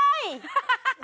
「ハハハハ！」